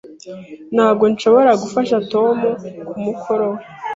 Ntabwo nshobora gufasha Tom kumukoro we.